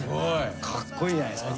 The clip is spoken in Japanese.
かっこいいじゃないですか。